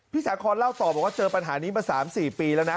สาคอนเล่าต่อบอกว่าเจอปัญหานี้มา๓๔ปีแล้วนะ